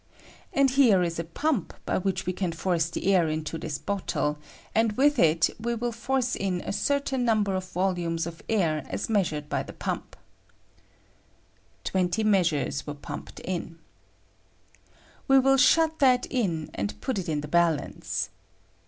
And here is a pump by which we can force the air intcfHhis bottle, and with it we wUl force in a certain number of volumes of air as measured by the pump. [Twenty measures were pumped in.] We will shut that in and put it in the balance.